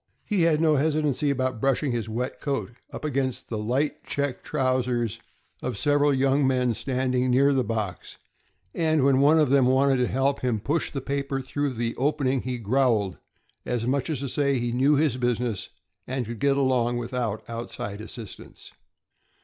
He had no hesitancy about brushing his wet coat up against the light check trousers of several young men standing near the box, and when one of them wanted to help him push the paper through the opening, he growled, as much as to say he knew his business, and could get along without outside assistance.